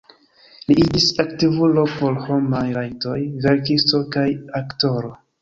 Li iĝis aktivulo por homaj rajtoj, verkisto kaj aktoro.